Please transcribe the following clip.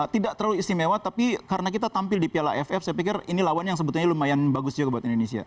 tidak terlalu istimewa tapi karena kita tampil di piala aff saya pikir ini lawan yang sebetulnya lumayan bagus juga buat indonesia